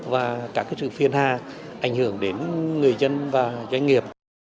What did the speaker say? và các sự phiên ha ảnh hưởng đến người dân và doanh nghiệp